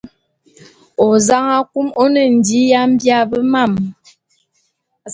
Ozang akum one ndi ya mbia bé mam.